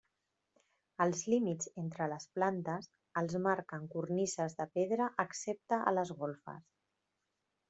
Els límits entre les plantes els marquen cornises de pedra excepte a les golfes.